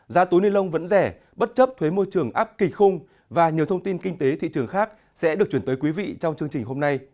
giá túi ni lông vẫn rẻ bất chấp thuế môi trường áp kỳ khung và nhiều thông tin kinh tế thị trường khác sẽ được chuyển tới quý vị trong chương trình hôm nay